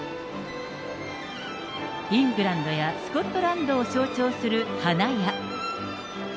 イングランドやスコットランドを象徴する花や。